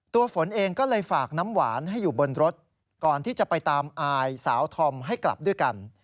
ฝนเองก็เลยฝากน้ำหวานให้อยู่บนรถก่อนที่จะไปตามอายสาวธอมให้กลับด้วยกัน